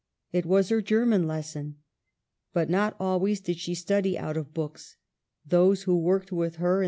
It was her German lesson. But not always did she study out of books ; those who worked with her in 142 EMILY BRONTE.